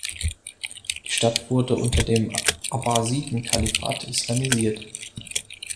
Die Stadt wurde unter dem Abbasiden-Kalifat islamisiert.